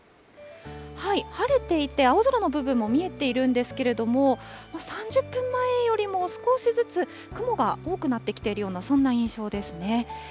晴れていて、青空の部分も見えているんですけれども、３０分前よりも少しずつ、雲が多くなってきているような、そんな印象ですね。